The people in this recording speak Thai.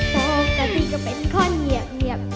โปรกตะที่ก็เป็นคนเหนียบเหนียบ